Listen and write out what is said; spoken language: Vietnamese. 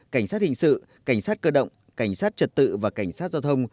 cảnh sát hình sự cảnh sát cơ động cảnh sát trật tự và cảnh sát giao thông